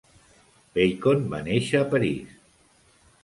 Bacon va néixer a París.